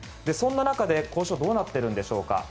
そんな中で交渉はどうなっているんでしょうか。